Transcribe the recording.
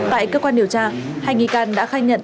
tại cơ quan điều tra hai nghi can đã khai nhận